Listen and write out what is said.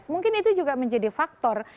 mungkin itu juga menjadi faktor